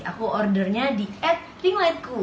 aku ordernya di at ring lightku